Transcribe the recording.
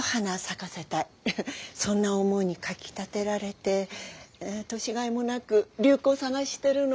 そんな思いにかきたてられて年がいもなく流行を探してるの。